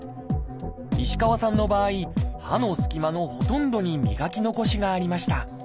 石川さんの場合歯のすき間のほとんどに磨き残しがありました。